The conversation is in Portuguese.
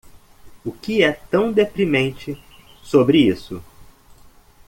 O que é tão deprimente sobre isso?